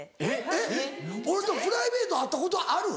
えっ俺とプライベート会ったことある？